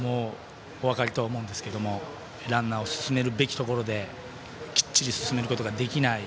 お分かりと思うんですけどランナーを進めるべきところできっちり進めることができない。